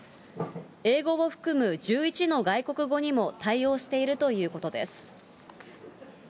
英語を含む１１の外国語にも対応しているということです。